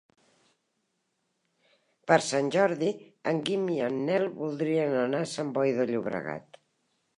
Per Sant Jordi en Guim i en Nel voldrien anar a Sant Boi de Llobregat.